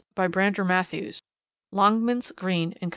By Brander Matthews. (Longmans, Green and Co.)